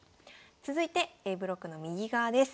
続いてＡブロックの右側です。